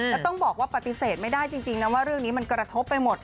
แล้วต้องบอกว่าปฏิเสธไม่ได้จริงนะว่าเรื่องนี้มันกระทบไปหมด